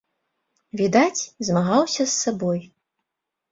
Відаць, змагаўся з сабой.